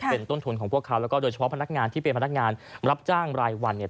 เป็นต้นทุนของพวกเขาแล้วก็โดยเฉพาะพนักงานที่เป็นพนักงานรับจ้างรายวันเนี่ย